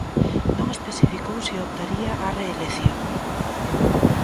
Non especificou se optaría á reelección.